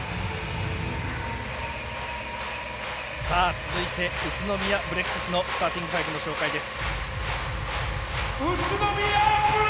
続いて、宇都宮ブレックスのスターティング５の紹介です。